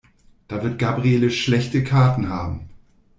Da wird Gabriele schlechte Karten haben.